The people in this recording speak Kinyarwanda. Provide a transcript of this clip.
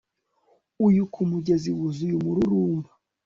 Uyu kumugezi wuzuye umururumba